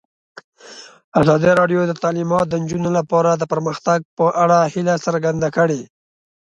ازادي راډیو د تعلیمات د نجونو لپاره د پرمختګ په اړه هیله څرګنده کړې.